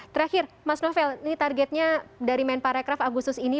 terakhir mas rofel ini targetnya dari main paragraf agustus ini